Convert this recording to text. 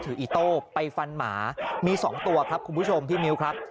อีโต้ไปฟันหมามี๒ตัวครับคุณผู้ชมพี่มิ้วครับ